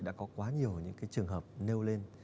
đã có quá nhiều những cái trường hợp nêu lên